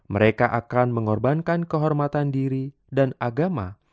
mereka akan mengorbankan kehormatan diri dan agama